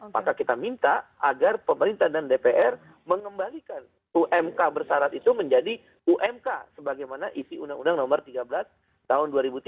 maka kita minta agar pemerintah dan dpr mengembalikan umk bersarat itu menjadi umk sebagaimana isi undang undang nomor tiga belas tahun dua ribu tujuh belas